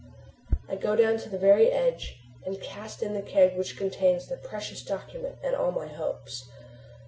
I go down to the very edge, and cast in the keg which contains the precious document and all my hopes.